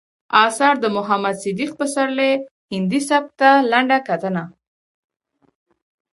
اثار، د محمد صديق پسرلي هندي سبک ته لنډه کتنه